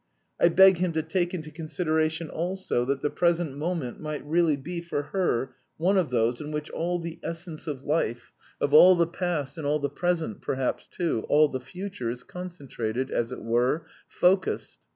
I beg him to take into consideration also that the present moment might really be for her one of those in which all the essence of life, of all the past and all the present, perhaps, too, all the future, is concentrated, as it were, focused.